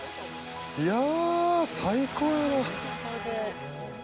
いや、最高やな。